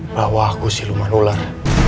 bahwa aku siluman ular